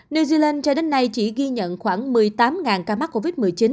new zealand cho đến nay chỉ ghi nhận khoảng một mươi tám ca mắc covid một mươi chín